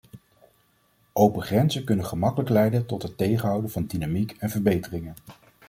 Open grenzen kunnen gemakkelijk leiden tot het tegenhouden van dynamiek en verbeteringen.